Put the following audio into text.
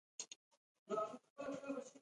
ښکاري د خپلو ښکارونو لپاره ښه فرصت لټوي.